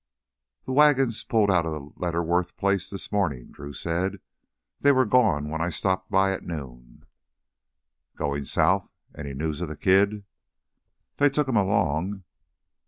"The wagons pulled out of the Letterworth place this mornin'," Drew said. "They were gone when I stopped by at noon " "Goin' south? Any news of the kid?" "They took him along."